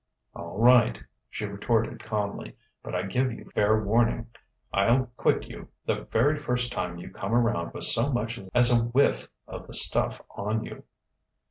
"All right," she retorted calmly; "but I give you fair warning, I'll quit you the very first time you come around with so much as a whiff of the stuff on you."